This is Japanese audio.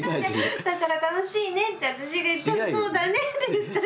だから楽しいねって私が言ったら「そうだね」って言ったじゃん。